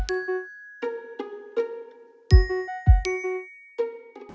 ฮ่า